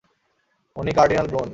উনি cardinal Burne.